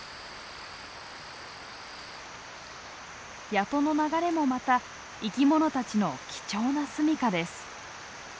谷戸の流れもまた生き物たちの貴重なすみかです。